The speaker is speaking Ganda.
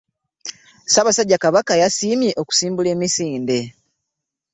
Ssaabasajja Kabaka yasiimye okusimbula emisinde.